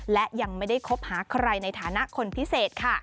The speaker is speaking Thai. และยังไม่ได้คบหาใครในฐานะคนพิเศษค่ะ